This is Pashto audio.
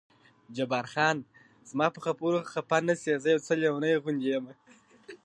جبار خان: زما په خبرو خفه نه شې، زه یو څه لېونی غوندې یم.